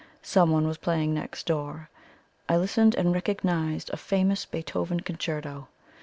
Someone was playing next door. I listened, and recognised a famous Beethoven Concerto.